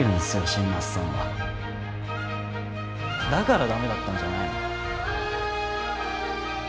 新町さんはだからダメだったんじゃないの？